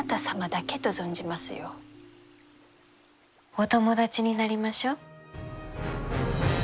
お友達になりましょう。